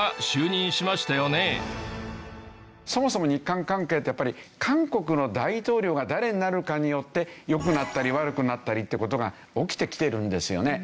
そもそも日韓関係ってやっぱり韓国の大統領が誰になるかによって良くなったり悪くなったりっていう事が起きてきてるんですよね。